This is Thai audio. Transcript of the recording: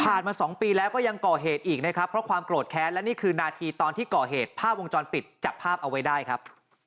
มา๒ปีแล้วก็ยังก่อเหตุอีกนะครับเพราะความโกรธแค้นและนี่คือนาทีตอนที่ก่อเหตุภาพวงจรปิดจับภาพเอาไว้ได้ครับ